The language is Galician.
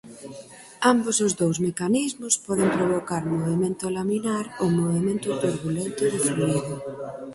Ambos os dous mecanismos poden provocar movemento laminar ou movemento turbulento do fluído.